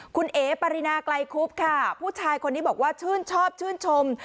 คุณเอ๋ปรินาไกลคุบค่ะผู้ชายคนนี้บอกว่าชื่นชอบชื่นชม